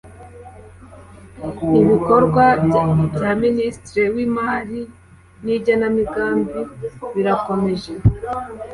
Ibikorwa bya Minisitiri w Imari n Igenamigambi birakomeje